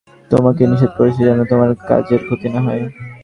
সে বলতে নিষেধ করেছে, যেন, তোমার কাজের ক্ষতি না হয়!